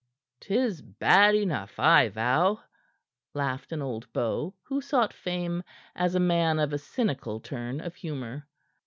"'Tis bad enough, I vow," laughed an old beau, who sought fame as a man of a cynical turn of humor.